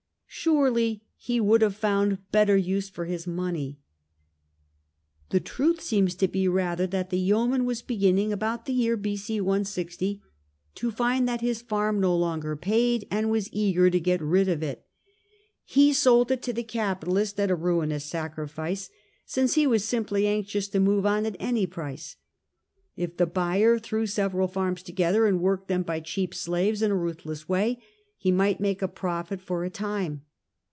Surely he would have found better use for his money. The truth seems to be rather that the yeoman was beginning, about the year B.c. i6o, to find that his fai'm no longer paid, and was eager to get rid of it. He sold it to the capitalist at a ruinous sacrifice, since he was simply anxious to move on at any price. If the buyer threw several farms together, and worked them by cheap slaves in a ruthless way, he might make a profit for a time.